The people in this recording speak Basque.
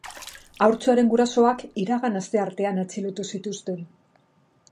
Haurtxoaren gurasoak iragan asteartean atxilotu zituzten.